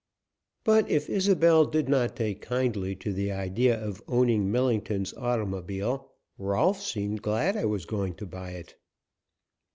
But, if Isobel did not take kindly to the idea of owning Millington's automobile, Rolfs seemed glad I was going to buy it.